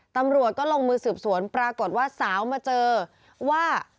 ตำรวจก็ลงมือสืบสวนปรากฏว่าสาวมาเจอว่า